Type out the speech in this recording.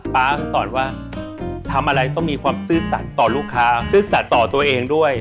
ฟ้าสอนว่าทำอะไรต้องมีความซื่อสัตว์ต่อลูกค้าซื่อสัตว์ต่อตัวเองด้วย